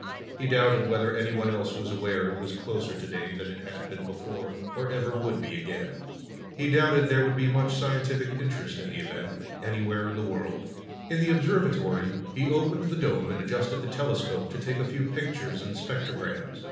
He doubted whether anyone else was aware it was closer today than it had been before, or ever would be again. He doubted there would be much scientific interest in the event, anywhere in the world. In the observatory, he opened the dome and adjusted the telescope to take a few pictures and spectrograms.